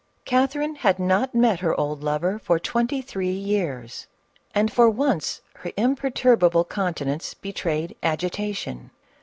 Catherine had not met her old lover for twenty three CATHKRIXK OF RUSSIA. 431 years, and for once her imperturbable countenance be trayed agitation.